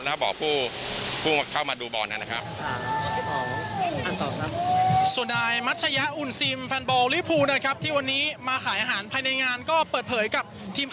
แล้วบอกผู้เข้ามาดูบอลนะครับ